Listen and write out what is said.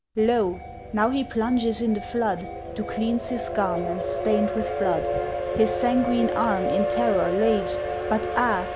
Lo! now he plunges in the flood, To cleanse his garments, stain'd with blood, His sanguine arm, in terror, laves; But ah!